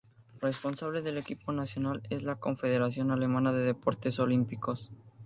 Responsable del equipo nacional es la Confederación Alemana de Deportes Olímpicos.